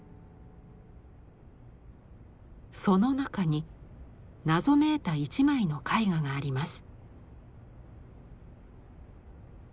その中に謎めいた一枚の絵画があります。